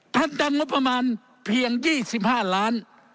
ท่านดังงบประมาณเพียง๒๕ล้าน